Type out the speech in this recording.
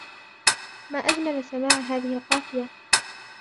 ما أجمل سماع هذه القافية